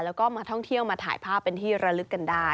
แล้วก็มาท่องเที่ยวมาถ่ายภาพเป็นที่ระลึกกันได้